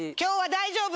大丈夫？